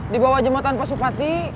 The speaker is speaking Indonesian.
di bawah jembatan pasopati